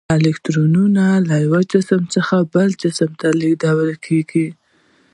الکترونونه له یو جسم څخه بل جسم ته لیږدیږي.